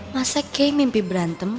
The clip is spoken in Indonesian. masa kek mimpi berantem